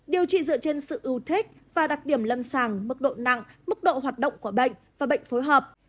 điều trị dựa trên sự ưu thích và đặc điểm lâm sàng mức độ nặng mức độ hoạt động của bệnh và bệnh phối hợp